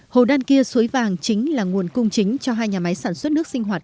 hồ đan kia suối vàng chính là nguồn cung chính cho hai nhà máy sản xuất nước sinh hoạt